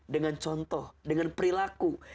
dengan contoh dengan perilaku